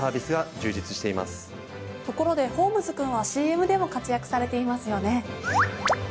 ところでホームズくんはＣＭでも活躍されていますよね。